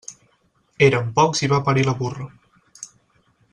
Érem pocs i va parir la burra.